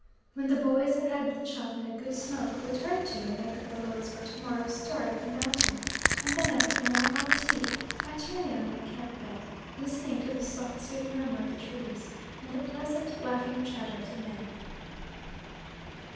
When the boys have had the chop and a good smoke, we turn to and make up the loads for to morrow's start up the mountain, and then, after more hot tea, I turn in on my camp bed listening to the soft sweet murmur of the trees and the pleasant, laughing chatter of the men.